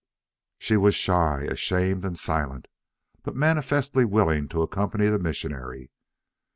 She was shy, ashamed, and silent, but manifestly willing to accompany the missionary.